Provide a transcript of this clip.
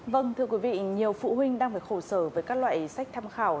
vâng thưa quý vị nhiều phụ huynh đang phải khổ sở với các loại sách tham khảo